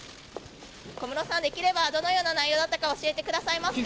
小室さん、できればどのような内容だったかを教えてくださいますか？